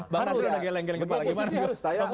bang rufus ada geleng geleng kepala